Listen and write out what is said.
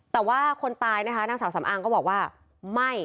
แต่ว่าภาษาสาวสำอางเสียงบอกว่าครับบอกว่าก็ไม่